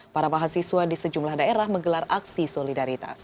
para mahasiswa di sejumlah daerah menggelar aksi solidaritas